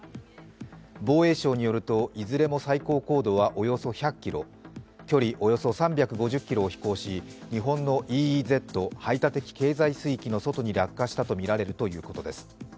防衛省によると、いずれも最高高度はおよそ１００ｋｍ距離およそ３５０ｋｍを飛行し日本のＥＥＺ＝排他的経済水域の外に落下したとみられるということです。